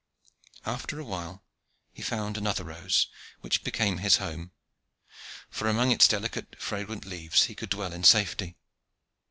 After a while he found another rose, which became his home, for among its delicate fragrant leaves he could dwell in safety.